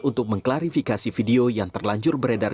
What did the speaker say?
untuk mengklarifikasi video yang terlanjur beredar